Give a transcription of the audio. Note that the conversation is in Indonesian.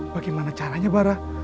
bagaimana caranya bara